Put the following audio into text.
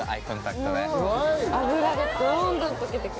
脂がどんどん溶けてく。